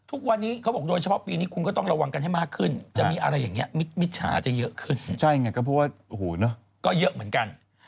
อุ๊ยจัดงานอะไรล่ะ